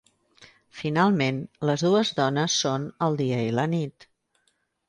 Finalment, les dues dones són el dia i la nit.